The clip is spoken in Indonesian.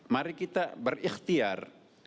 mari kita berikhtiar